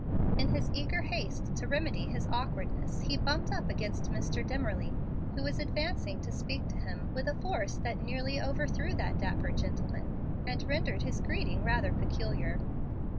In his eager haste to remedy his awkwardness, he bumped up against Mr. Dimmerly, who was advancing to speak to him, with a force that nearly overthrew that dapper gentleman, and rendered his greeting rather peculiar.